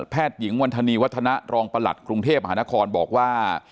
หญิงวันธนีวัฒนะรองประหลัดกรุงเทพมหานครบอกว่า